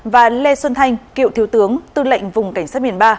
và lê xuân thanh cựu thiếu tướng tư lệnh vùng cảnh sát biển ba